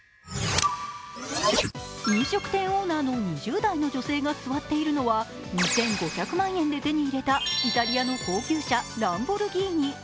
飲食店オーナーの２０代の女性が座っているのは２５００万円で手に入れたイタリアの高級車・ランボルギーニ。